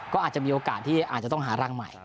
ก็อาจจะมีโอกาสที่อาจจะต้องหารังใหม่